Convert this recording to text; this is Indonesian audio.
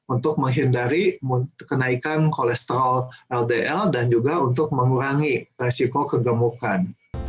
untuk menghindari kenaikan kolesterol ldl dan juga untuk mengurangi resiko kegemukan